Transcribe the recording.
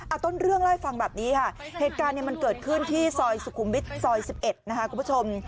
เอาต้นเรื่องเล่าให้ฟังแบบนี้ค่ะเหตุการณ์เนี่ยมันเกิดขึ้นที่ซอยสุขุมวิทย์ซอย๑๑นะคะคุณผู้ชม